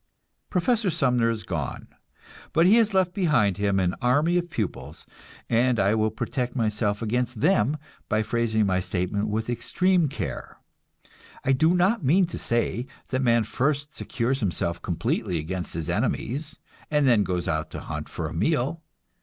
Professor Sumner is gone, but he has left behind him an army of pupils, and I will protect myself against them by phrasing my statement with extreme care. I do not mean to say that man first secures himself completely against his enemies, and then goes out to hunt for a meal.